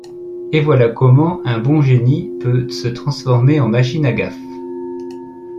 Et voilà comment un bon génie peut se transformer en machine à gaffes…